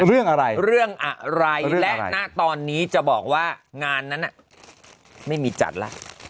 เรื่องอะไรเรื่องอะไรและณตอนนี้จะบอกว่างานนั้นน่ะไม่มีจัดแล้ว